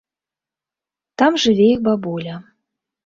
Там жыве іх бабуля.